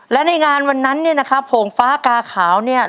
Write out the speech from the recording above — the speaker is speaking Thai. และในงานวันนั้นเนี่ยนะครับโผงฟ้ากาขาวเนี่ย